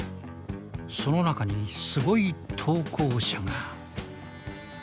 その中にすごい投稿者が。